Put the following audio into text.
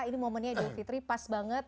ini momennya idul fitri pas banget